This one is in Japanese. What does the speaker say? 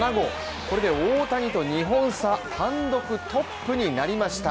これで大谷と２本差単独トップになりました。